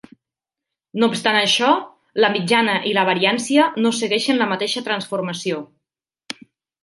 No obstant això, la mitjana i la variància no segueixen la mateixa transformació.